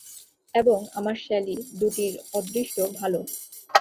এবং আমার শ্যালী দুটির অদৃষ্ট ভালো।